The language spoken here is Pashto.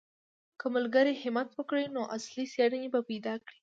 که ملګري همت وکړي نو اصلي څېړنې به پیدا کړي.